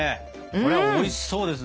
これはおいしそうですね。